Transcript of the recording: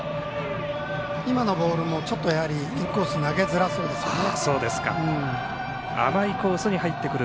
今のボールも、インコース投げづらそうですね。